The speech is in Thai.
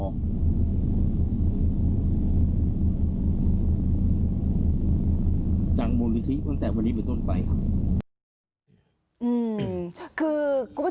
ขอจังบลิธิตั้งแต่วันนี้เป็นต้นไปครับอืมคือคุณผู้